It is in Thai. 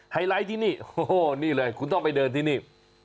ไลท์ที่นี่โอ้โหนี่เลยคุณต้องไปเดินที่นี่